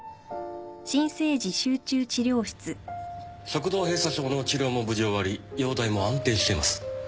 食道閉鎖症の治療も無事終わり容体も安定しています。